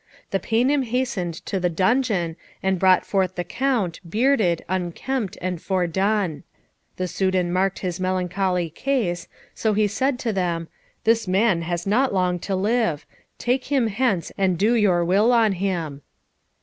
The Paynim hastened to the dungeon, and brought forth the Count, bearded, unkempt and foredone. The Soudan marked his melancholy case, so he said to them, "This man has not long to live; take him hence, and do your will on him."